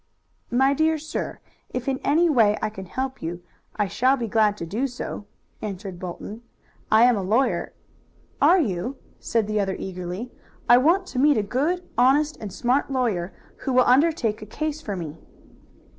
"My dear sir, if in any way I can help you I shall be glad to do so," answered Bolton. "I am a lawyer " "Are you?" said the other eagerly. "I want to meet a good, honest and smart lawyer, who will undertake a case for me."